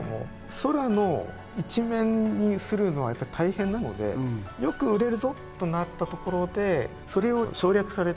空の一面にするのはやっぱり大変なのでよく売れるぞとなったところでそれを省略されていく。